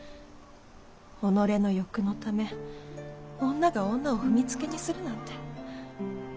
己の欲のため女が女を踏みつけにするなんて。